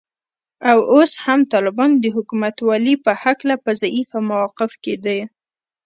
او اوس هم طالبان د حکومتولې په هکله په ضعیفه موقف کې دي